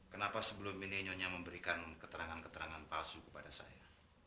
kenapa sebelum ini nyonya memberikan keterangan keterangan palsu kepada saya